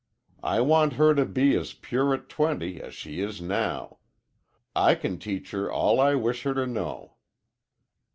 I want her to be as pure at twenty as she is now. I can teach her all I wish her to know.'